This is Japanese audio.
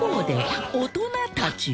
㈭大人たちは？